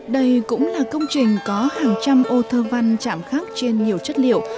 đây cũng là công trình có hàng trăm ô thơ văn chạm khác trên nhiều chất liệu